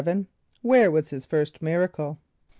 = Where was his first miracle?